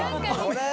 これ。